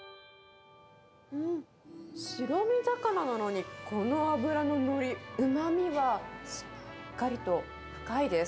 白身魚なのに、この脂の乗り、うまみはしっかりと深いです。